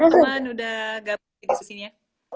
udah gak apa apa disini ya